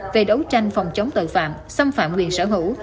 về đấu tranh phòng chống tội phạm xâm phạm quyền sở hữu